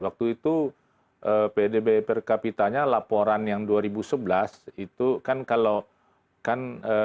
waktu itu pdb per kapitanya laporan yang dua ribu sebelas itu kan kalau laporan dua ribu dua belas itu kan dikira